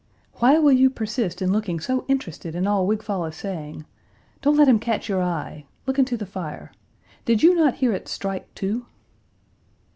"Why will you persist in looking so interested in all Wigfall is saying? Don't let him catch your eye. Look into the fire. Did you not hear it strike two?"